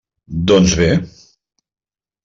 Doncs bé.